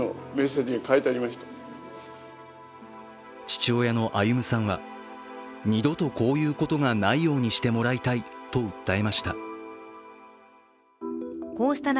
父親の歩さんは二度とこういうことがないようにしてもらいたいと訴えました。